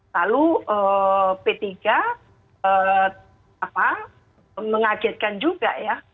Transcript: lalu p tiga mengagetkan juga ya